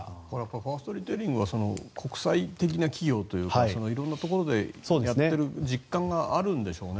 ファーストリテイリングは国際的な企業といういろんなところでやっている実感があるんでしょうね。